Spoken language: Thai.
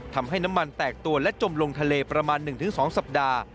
ทำให้น้ำมันแตกตัวและจมลงทะเลประมาณ๑๒สัปดาห์